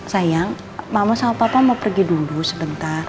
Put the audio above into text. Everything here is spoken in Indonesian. sayang mama sama papa mau pergi dulu sebentar